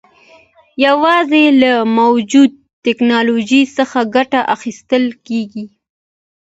یوازې له موجوده ټکنالوژۍ څخه ګټه اخیستل کېږي.